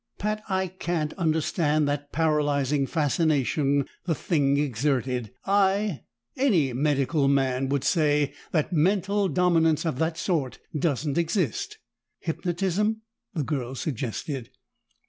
"Pat, I can't understand that paralyzing fascination the thing exerted. I any medical man would say that mental dominance of that sort doesn't exist." "Hypnotism," the girl suggested.